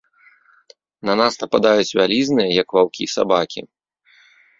На нас нападаюць вялізныя, як ваўкі, сабакі.